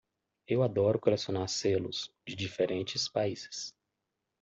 Eu adoro colecionar selos de diferentes países.